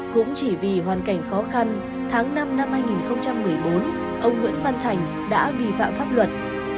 cũng chỉ vì hoàn cảnh khó khăn tháng năm năm hai nghìn một mươi bốn ông nguyễn văn thành đã vi phạm pháp luật